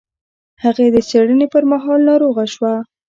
هغې د څېړنې پر مهال ناروغه شوه.